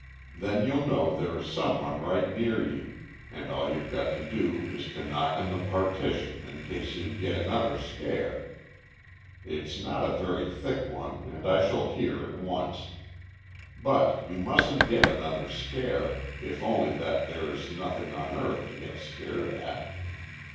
Then you'll know there's some one right near you, and all you've got to do is to knock on the partition in case you get another scare. It's not a very thick one, and I shall hear at once. But you mustn't get another scare, if only that there's nothing on earth to get scared at.